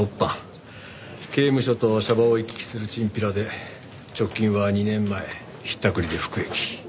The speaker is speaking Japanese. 刑務所とシャバを行き来するチンピラで直近は２年前ひったくりで服役。